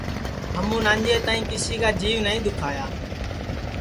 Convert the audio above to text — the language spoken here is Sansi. ہمون انجے تائی کسی کا جیو نائی دُؔکھایا